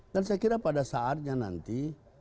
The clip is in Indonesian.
dan saya kira pada saatnya nanti